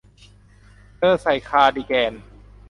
เธอใส่คาร์กิแดน